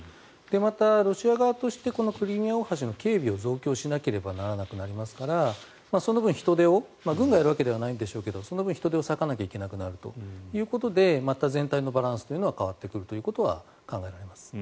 また、ロシア側としてクリミア大橋の警備を増強しなければいけなくなりますからその分人手を軍がやるわけではないんでしょうが人手を割かなければいけなくなるということでまた全体のバランスが変わってくるということは考えられます。